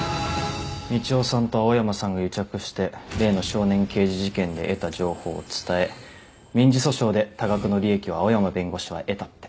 みちおさんと青山さんが癒着して例の少年刑事事件で得た情報を伝え民事訴訟で多額の利益を青山弁護士は得たって。